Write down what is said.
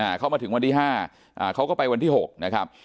เข้ามาถึงวันที่ห้าอ่าเขาก็ไปวันที่หกนะครับ